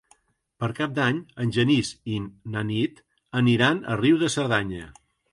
Per Cap d'Any en Genís i na Nit aniran a Riu de Cerdanya.